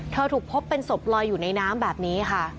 ถูกพบเป็นศพลอยอยู่ในน้ำแบบนี้ค่ะ